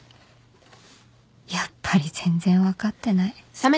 やっぱり全然分かってない